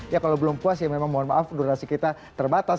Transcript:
ya kalau belum puas ya memang mohon maaf durasi kita terbatas